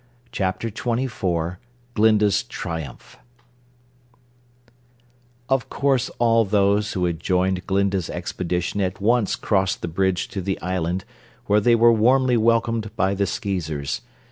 Chapter Twenty Four Glinda's Triumph Of course all those who had joined Glinda's expedition at once crossed the bridge to the island, where they were warmly welcomed by the Skeezers.